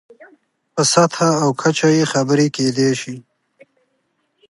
په سطحه او کچه یې خبرې کېدای شي.